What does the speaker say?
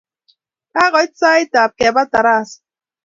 Kakoit sap ap keba tarasa